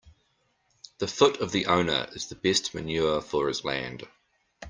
The foot of the owner is the best manure for his land.